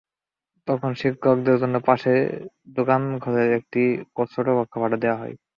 তখন শিক্ষকদের জন্য পাশে দোকানঘরের একটি ছোট কক্ষ ভাড়া নেওয়া হয়।